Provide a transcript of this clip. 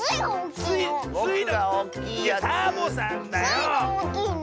スイがおおきいの！